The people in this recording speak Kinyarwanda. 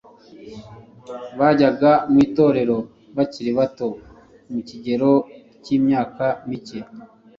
bajyaga mu itorero bakiri bato, mu kigero cy'imyaka mike